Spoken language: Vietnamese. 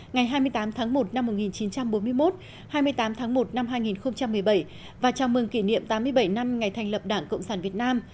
ngày hai mươi tám tháng một năm một nghìn chín trăm bốn mươi một hai mươi tám tháng một năm hai nghìn một mươi bảy và chào mừng kỷ niệm tám mươi bảy năm ngày thành lập đảng cộng sản việt nam